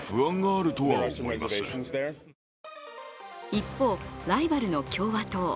一方、ライバルの共和党。